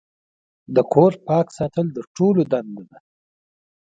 د کور پاک ساتل د ټولو دنده ده.